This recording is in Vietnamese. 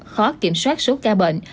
khó kiểm soát số ca bệnh